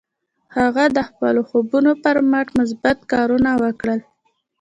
هغه د خپلو خوبونو پر مټ مثبت کارونه وکړل